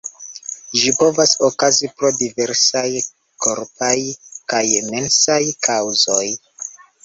Ĝi povas okazi pro diversaj korpaj kaj mensaj kaŭzoj.